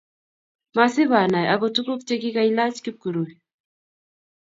Masibanai agot tuguuk chegigaalach kipkurui